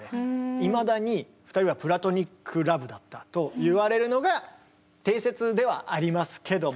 いまだに２人はプラトニックラブだったといわれるのが定説ではありますけども。